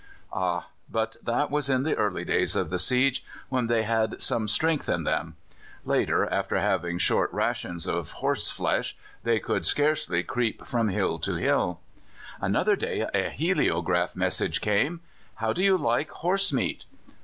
Ah! but that was in the early days of the siege, when they had some strength in them. Later, after having short rations of horse flesh, they could hardly creep from hill to hill. Another day a heliograph message came: "How do you like horse meat?"